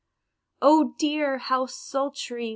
Oh dear! how sultry!